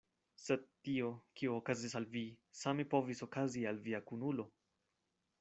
Sed tio, kio okazis al vi, same povis okazi al via kunulo.